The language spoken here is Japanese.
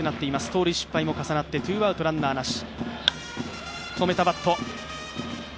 盗塁失敗も重なってツーアウトランナーなし。